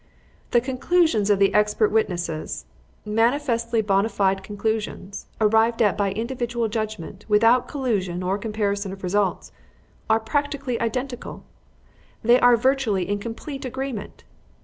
"The conclusions of the expert witnesses manifestly bona fide conclusions, arrived at by individual judgement, without collusion or comparison of results are practically identical. They are virtually in complete agreement.